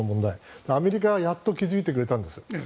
アメリカはやっと気付いてくれたんです。